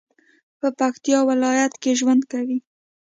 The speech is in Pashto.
په پکتیا ولایت کې ژوند کوي